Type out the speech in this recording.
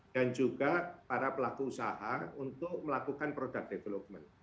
dan juga para pelaku usaha untuk melakukan product development